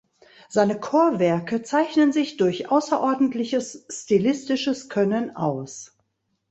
Seine Chorwerke zeichnen sich durch außerordentliches stilistisches Können aus.